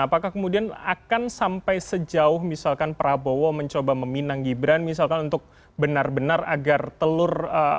apakah kemudian akan sampai sejauh misalkan prabowo mencoba meminang gibran misalkan untuk benar benar agar telur